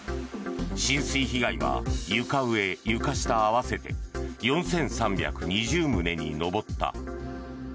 浸水被害は床上・床下合わせて４３２０棟に上った。